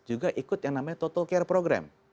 juga ikut yang namanya total care program